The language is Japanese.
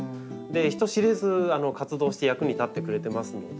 人知れず活動して役に立ってくれてますので。